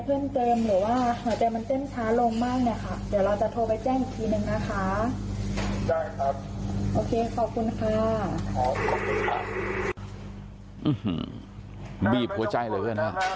อื้อหือบีบหัวใจเลยเพื่อนค่ะ